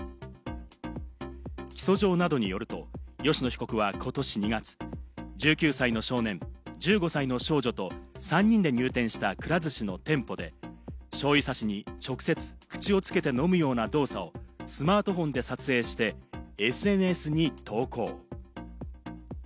起訴状などによると、吉野被告はことし２月、１９歳の少年、１５歳の少女と３人で入店した、くら寿司の店舗で、しょうゆ差しに直接口をつけて飲むような動作をスマートフォンで撮影してＳＮＳに投稿。